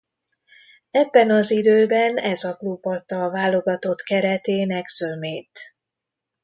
Ebben az időben ez a klub adta a válogatott keretének zömét.